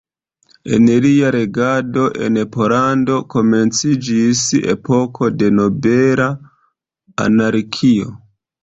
En lia regado en Pollando komenciĝis epoko de nobela anarkio.